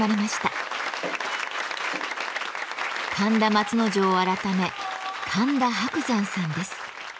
神田松之丞改め神田伯山さんです。